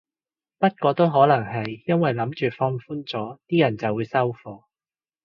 不過都可能係因為諗住放寬咗啲人就會收貨